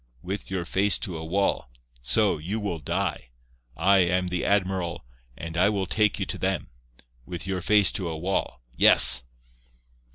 With your face to a wall. So, you will die. I am the admiral, and I will take you to them. With your face to a wall. Yes."